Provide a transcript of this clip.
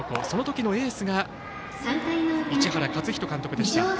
そのときのエースが市原勝人監督でした。